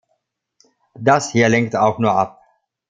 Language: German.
Das hier lenkt auch nur ab.